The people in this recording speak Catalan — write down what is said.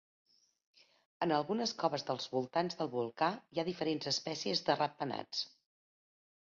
En algunes coves dels voltants del volcà hi ha diferents espècies de ratpenats.